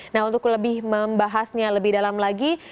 nah untuk lebih membahasnya lebih dalam lagi